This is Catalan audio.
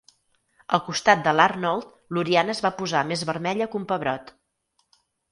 Al costat de l'Arnold, l'Oriana es va posar més vermella que un pebrot.